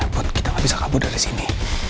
buat kita gak bisa kabur dari sini